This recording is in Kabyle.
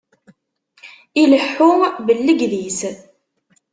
Ileḥḥu bellegdis.